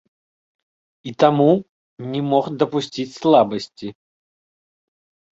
І таму не мог дапусціць слабасці.